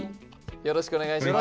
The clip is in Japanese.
よろしくお願いします。